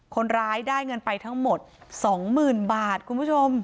คนร้ายได้เงินไปทั้งหมด๒๐๐๐บาทคุณผู้ชม